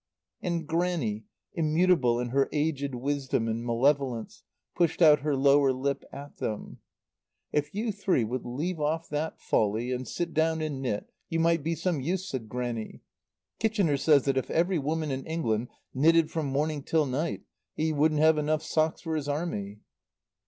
And Grannie, immutable in her aged wisdom and malevolence, pushed out her lower lip at them. "If you three would leave off that folly and sit down and knit, you might be some use," said Grannie. "Kitchener says that if every woman in England knitted from morning till night he wouldn't have enough socks for his Army."